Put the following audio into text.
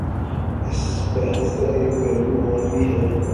اس بحث کا ایک پہلو اور بھی ہے۔